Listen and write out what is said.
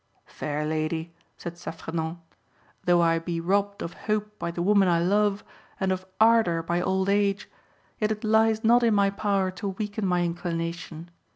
"Fair lady," said Saffredent, "though I be robbed of hope by the woman I love, and of ardour by old age, yet it lies not in my power to weaken my inclination.